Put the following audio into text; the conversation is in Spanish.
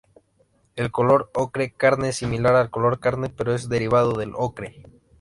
El color ocre carne es similar al color carne, pero es derivado del ocre.